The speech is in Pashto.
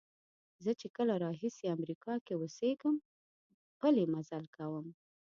زه چې کله راهیسې امریکا کې اوسېږم پلی مزل کوم.